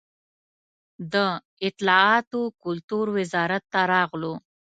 د اطلاعات و کلتور وزارت ته راغلو.